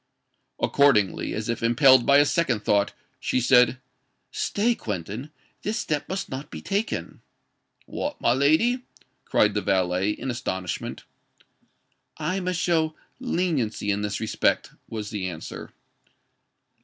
Accordingly, as if impelled by a second thought, she said, "Stay, Quentin: this step must not be taken." "What, my lady?" cried the valet, in astonishment. "I must show leniency in this respect," was the answer.